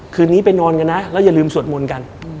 คืนนี้ไปนอนกันนะแล้วอย่าลืมสวดมนต์กัน